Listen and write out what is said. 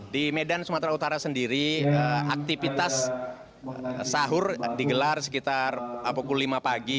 di medan sumatera utara sendiri aktivitas sahur digelar sekitar pukul lima pagi